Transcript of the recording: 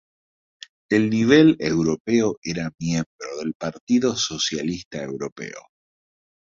A nivel europeo era miembro del Partido Socialista Europeo.